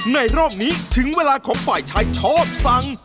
รอบนี้ถึงเวลาของฝ่ายชายชอบสั่ง